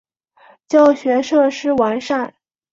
教学设施完善。